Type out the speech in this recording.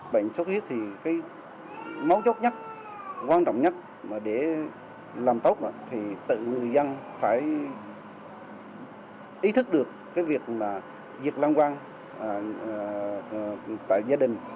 bệnh xuất huyết thì cái máu chốt nhất quan trọng nhất để làm tốt là tự người dân phải ý thức được cái việc là việc lan quan tại gia đình